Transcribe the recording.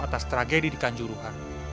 atas tragedi di kanjuruhan